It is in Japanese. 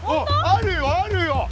あるよあるよ。